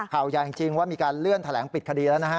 ข่าวใหญ่จริงว่ามีการเลื่อนแถลงปิดคดีแล้วนะฮะ